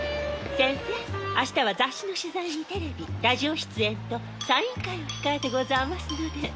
センセ明日は雑誌の取材にテレビラジオ出演とサイン会を控えてござあますので。